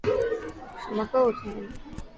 天目山由粗面岩和流纹岩等构成。